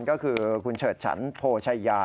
ก็คือคุณเฉิดฉันโพชัยยา